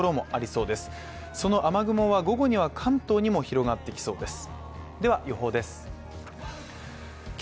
その雨雲は午後には関東にも広がってきそうです。